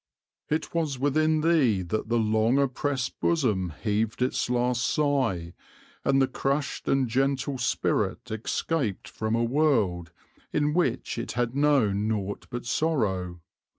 "It was within thee that the long oppressed bosom heaved its last sigh, and the crushed and gentle spirit escaped from a world in which it had known nought but sorrow.